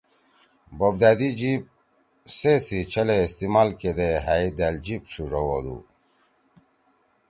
بوپدأدی جیِب سے سی چھلے استعمال کیدے ہأئے دأل جیِب ڇھیِڙَؤ ہودُو۔